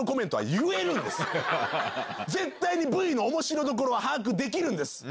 絶対にＶＴＲの面白どころは把握できるんです。